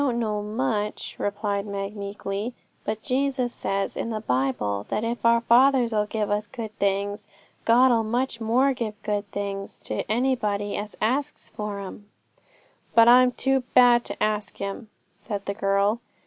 'I don't know much,' replied Meg meekly; 'but Jesus says in the Bible, that if our fathers 'll give us good things, God 'll much more give good things to anybody as asks for 'em.' 'But I'm too bad to ask Him,' said the girl.